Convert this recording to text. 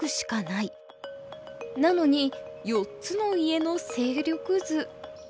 なのに４つの家の勢力図。